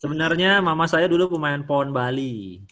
sebenarnya mama saya dulu pemain pohon bali